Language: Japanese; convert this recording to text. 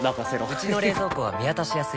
うちの冷蔵庫は見渡しやすい